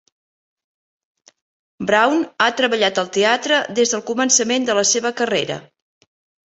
Brown ha treballat al teatre des del començament de la seva carrera.